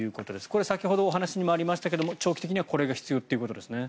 これは先ほどお話にもありましたが長期的にはこれが必要ということですね。